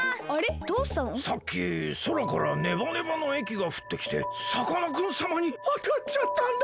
さっきそらからネバネバのえきがふってきてさかなクンさまにあたっちゃったんだ！